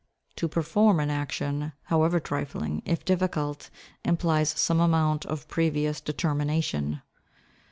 To perform an action, however trifling, if difficult, implies some amount of previous determination.